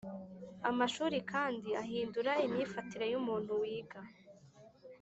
amashuri kandi ahindura imyifatire yu muntu wiga